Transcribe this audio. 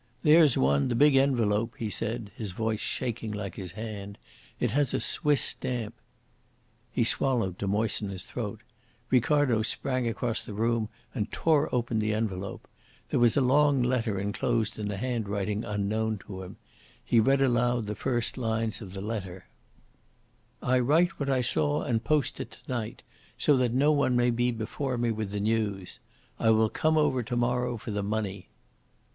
"There's one, the big envelope," he said, his voice shaking like his hand. "It has a Swiss stamp." He swallowed to moisten his throat. Ricardo sprang across the room and tore open the envelope. There was a long letter enclosed in a handwriting unknown to him. He read aloud the first lines of the letter: "I write what I saw and post it to night, so that no one may be before me with the news. I will come over to morrow for the money."